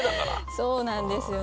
そうなんですよね。